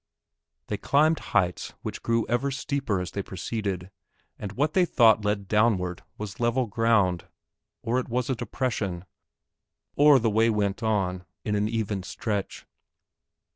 They climbed heights which grew ever steeper as they proceeded, and what they thought led downward was level ground, or it was a depression, or the way went on in an even stretch.